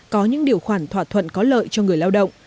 có những điều khoản thỏa thuận có lợi cho người lao động